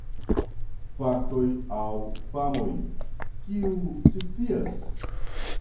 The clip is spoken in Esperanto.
Faktoj aŭ famoj: kiu scias?